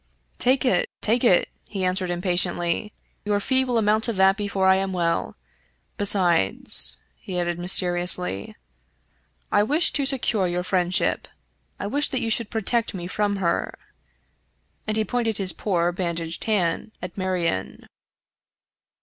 " Take it — take it," he answered impatiently ;" your fee will amount to that before I am well. Besides," he added mysteriously, " I wish to secure your friendship. I wish that you should protect me from her," and he pointed his poor, bandaged hand at Marion.